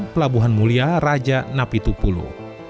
pelabuhan mulia raja napi tupulu